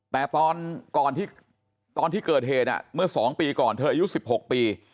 แต่ตอนที่เกิดเหตุเมื่อ๒ปีก่อนเธออายุ๑๖ปี